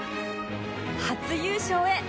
初優勝へ！